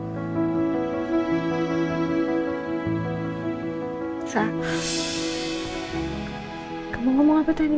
kembalikan dia ke rumahnya dengan selamat ya allah